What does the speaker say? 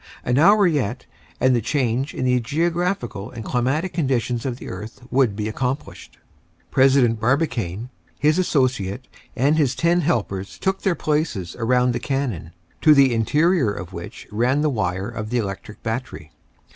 An hour yet, and the change in the geographical and climatic conditions of the earth would be accomplished. President Barbicane, his associate, and his ten helpers took their places around the cannon, to the interior of which ran the wire of the electric battery.